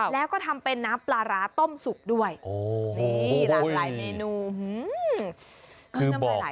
แล้วก็ทำเป็นน้ำปลาร้าต้มสุกด้วยโอ้นี่หลากหลายเมนู